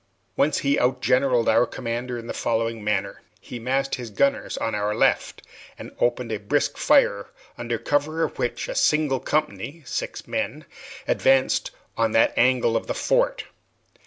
Once he outgeneralled our commander in the following manner: He massed his gunners on our left and opened a brisk fire, under cover of which a single company (six men) advanced on that angle of the fort.